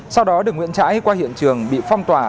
sau đó đường nguyễn trãi qua hiện trường bị phong tỏa